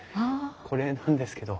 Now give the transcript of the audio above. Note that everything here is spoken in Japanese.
これなんですけど。